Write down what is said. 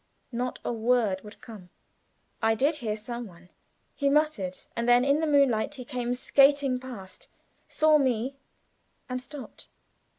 Not a word would come. "I did hear some one," he muttered, and then in the moonlight he came skating past, saw me, and stopped.